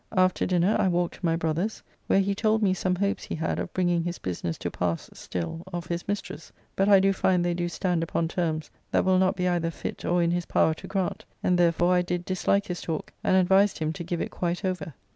After dinner I walked to my brother's, where he told me some hopes he had of bringing his business to pass still of his mistress, but I do find they do stand upon terms that will not be either fit or in his power to grant, and therefore I did dislike his talk and advised him to give it quite over.